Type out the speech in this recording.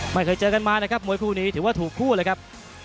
ไม่เคยเจอกันมานะครับมวยคู่นี้ถือว่าถูกคู่เลยครับ